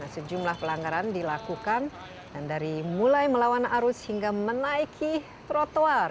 sejumlah pelanggaran dilakukan dan dari mulai melawan arus hingga menaiki trotoar